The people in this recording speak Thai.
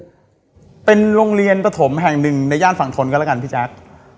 เป็นโรงเรียนปฐมแห่งหนึ่งในย่านฝั่งทนก็แล้วกันพี่แจ๊ค